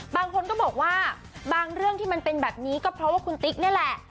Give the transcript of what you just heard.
บางคนก็บอกว่าบางเรื่องที่มันเป็นแบบนี้ก็เพราะว่าคุณติ๊กนี่แหละ